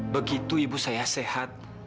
begitu ibu saya sehat